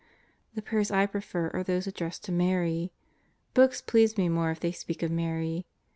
The prayers I prefer are those addressed to Mary. Books please me more if they speak of Mary.